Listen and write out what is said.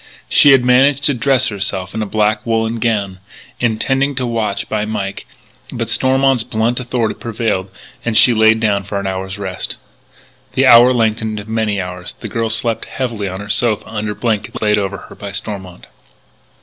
She had managed to dress herself in a black wool gown, intending to watch by Mike, but Stormont's blunt authority prevailed and she lay down for an hour's rest. The hour lengthened into many hours; the girl slept heavily on her sofa under blankets laid over her by Stormont.